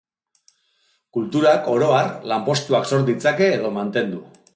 Kulturak, oro har, lanpostuak sor ditzake edo mantendu.